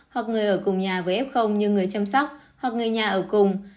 hoặc người ở cùng nhà với ép không như người chăm sóc hoặc người nhà ở cùng